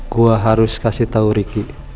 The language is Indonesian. gue harus kasih tahu riki